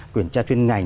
kiểm tra chuyên ngành